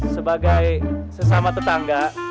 sebagai sesama tetangga